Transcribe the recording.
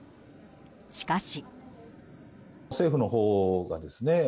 しかし。